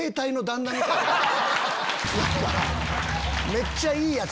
めっちゃいいヤツ。